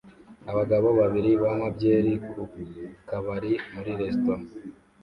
Abagabo babiri banywa byeri ku kabari muri resitora